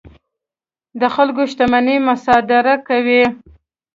د خلکو شتمنۍ مصادره کوي.